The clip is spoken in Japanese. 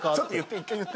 １回言って。